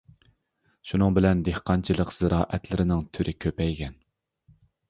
شۇنىڭ بىلەن دېھقانچىلىق زىرائەتلىرىنىڭ تۈرى كۆپەيگەن.